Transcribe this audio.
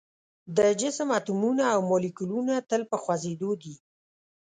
د جسم اتومونه او مالیکولونه تل په خوځیدو دي.